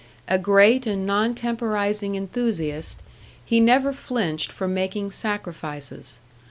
A great and non temporizing enthusiast, he never flinched from making sacrifices.